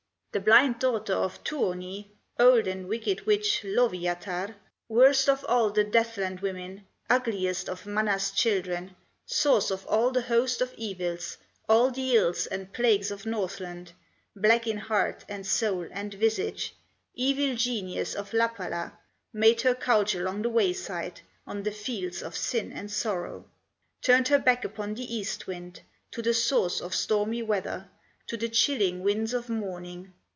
The blind daughter of Tuoni, Old and wicked witch, Lowyatar, Worst of all the Death land women, Ugliest of Mana's children, Source of all the host of evils, All the ills and plagues of Northland, Black in heart, and soul, and visage, Evil genius of Lappala, Made her couch along the wayside, On the fields of sin and sorrow; Turned her back upon the East wind, To the source of stormy weather, To the chilling winds of morning.